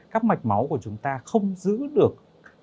các mạch máu của chúng ta không giữ được